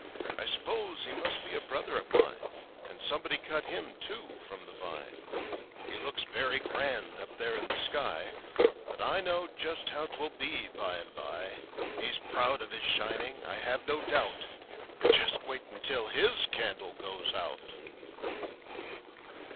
'T s'pose he must be a brother of mine, And somebody cut hiniy too, from the vine. ''He looks very grand up there in the sky; But I know just how 'twill be, by and by. ''He's proud of his shining, I have no doubt, But just wait until his candle goes out!"